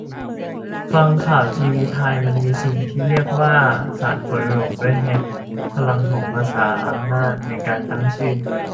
ฟังข่าวทีวีไทย มันมีสิ่งที่เรียกว่า 'สารฝนหลวง' ด้วยแฮะ - พลังของภาษา อำนาจในการตั้งชื่อ